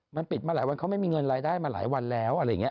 มันปิดมาหลายวันเขาไม่มีเงินรายได้มาหลายวันแล้วอะไรอย่างนี้